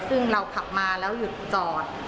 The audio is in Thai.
ซึ่งเราขับมาแล้วหยุดจอด